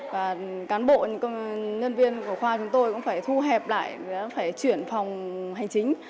và cán bộ nhân viên của khoa chúng tôi cũng phải thu hẹp lại phải chuyển phòng hành chính